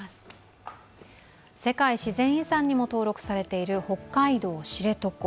世界自然遺産にも登録されている北海道知床。